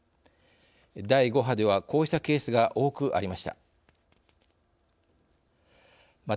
第５波ではこうしたケースが多くありました。